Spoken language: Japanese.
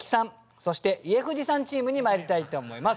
そして家藤さんチームにまいりたいと思います。